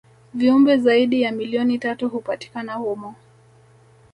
viumbe zaidi ya milioni tatu hupatikana humo